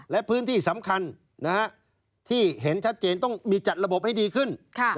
และพื้นที่สำคัญที่เห็นชัดเจนต้องมีจัดระบบให้ดีขึ้น